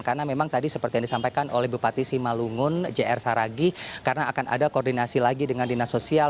karena memang tadi seperti yang disampaikan oleh bupati sima lungun jr saragi karena akan ada koordinasi lagi dengan dinas sosial